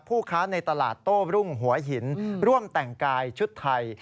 ค้าในตลาดโต้รุ่งหัวหินร่วมแต่งกายชุดไทย